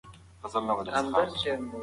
سپما د ستونزو په وخت کې پکارېږي.